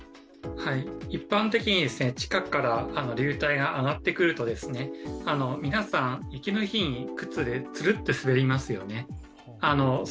一般的に地下から流体が上がってくると皆さん、雪の日につるっと滑りますよね。